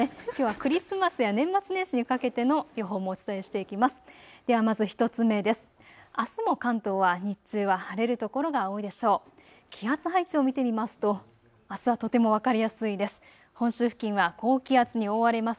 クリスマスや年末年始にかけての予報もお伝えしていきます。